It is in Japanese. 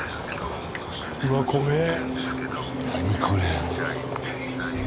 これ。